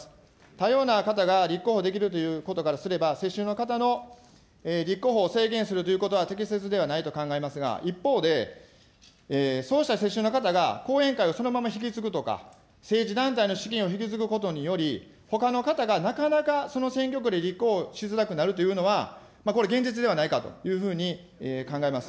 多様な方が立候補できるということからすれば、世襲の方の立候補を制限するということは、適切ではないと考えますが、一方で、そうした世襲の方が後援会をそのまま引き継ぐとか、政治団体の資金を引き継ぐことにより、ほかの方がなかなかその選挙区で立候補しづらくなるというのは、これ、現実ではないかというふうに考えます。